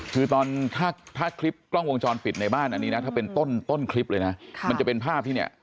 คือตอนถ้าคลิปกล้องวงจรปิดในบ้านอันนี้นะถ้าเป็นต้นคลิปเลยนะมันจะเป็นภาพที่เนี่ย